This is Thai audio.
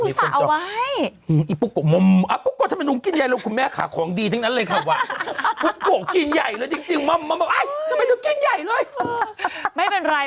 ไม่ใช่จะเป็นพาราทสูดเขาป่วย